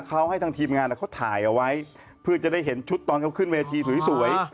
เขาให้ทางทีมงานเขาถ่ายเอาไว้เพื่อจะได้เห็นชุดตอนเขาขึ้นเวทีสวย